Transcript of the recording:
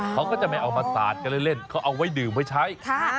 เขาก็จะไม่เอามาสาดกันเล่นเขาเอาไว้ดื่มไว้ใช้